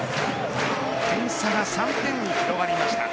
点差が３点に広がりました。